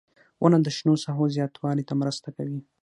• ونه د شنو ساحو زیاتوالي ته مرسته کوي.